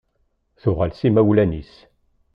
Tuɣal s imawlan-is.